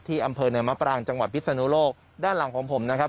ที่อำเผย์เหนือม๊าปร่างจังหวัดพิษฐานุโลกศ์ด้านหลังของผมนะครับ